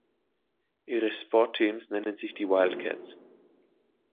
Ihre Sportteams nennen sich die "Wildcats".